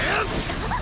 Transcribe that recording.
あっ！